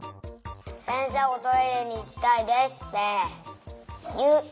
せんせいおトイレにいきたいですっていう！